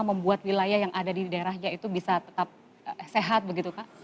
membuat wilayah yang ada di daerahnya itu bisa tetap sehat begitu pak